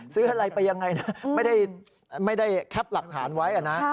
ซื้ออะไรไปยังไงนะไม่ได้แคปหลักฐานไว้นะ